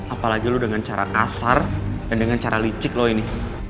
apalagi lo dengan cara kasar dan dengan cara licik lo ini